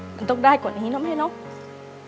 มันต้องได้กว่านี้นะแม่เนาะ